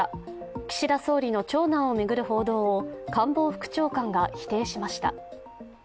岸田総理の長男を巡る報道を官房副長官が、否定しました。